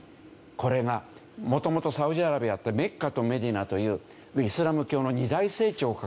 これが元々サウジアラビアってメッカとメディナというイスラム教の二大聖地を抱えている。